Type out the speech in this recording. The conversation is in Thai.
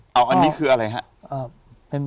แปลว่าอันนี้คืออะไรฮะ